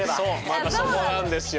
またそこなんですよ。